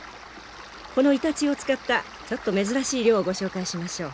このイタチを使ったちょっと珍しい漁をご紹介しましょう。